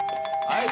はい。